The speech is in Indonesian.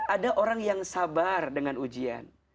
ada orang yang sabar dengan ujian